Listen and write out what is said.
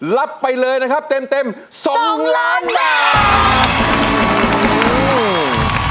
รับไปเลยนะครับเต็ม๒ล้านบาท